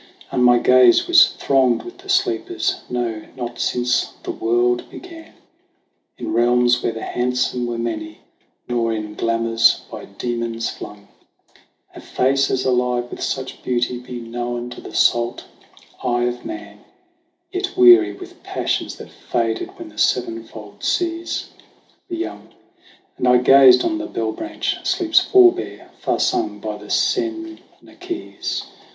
And my gaze was thronged with the sleepers ; for nowhere in any clann Of the high people of Soraca nor in glamour by demons flung, Are faces alive with such beauty made known to the salt eye of man, Yet weary with passions that faded when the seven fold seas were young. And I gazed on the bell branch, sleep's for bear, far sung by the Sennachies.